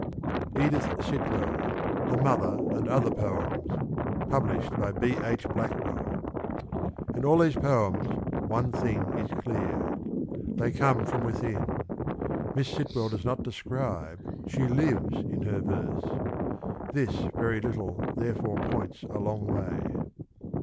Edith Sitwell. THE MOTHER, AND OTHER POEMS. Published by B. H. Blackwell. In all these poems one thing is clear. They come from within. Miss Sitwell does not describe, she lives in her verse. This very little therefore points a long way.